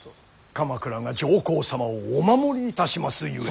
鎌倉が上皇様をお守りいたしますゆえ。